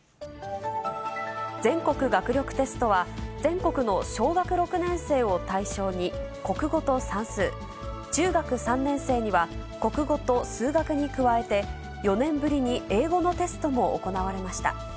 全国学力テストは、全国の小学６年生を対象に国語と算数、中学３年生には国語と数学に加えて、４年ぶりに英語のテストも行われました。